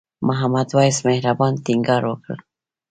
محمد وېس مهربان ټینګار وکړ.